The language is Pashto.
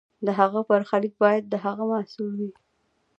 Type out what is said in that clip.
د هغه برخلیک باید د هغه محصول وي.